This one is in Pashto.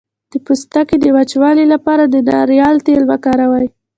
د پوستکي د وچوالي لپاره د ناریل تېل وکاروئ